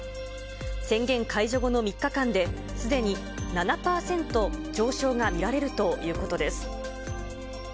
宣言解除後の３日間で、すでに７％上昇が見られるということです。